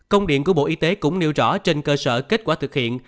công điện của bộ y tế cũng nêu rõ trên cơ sở kết quả thực hiện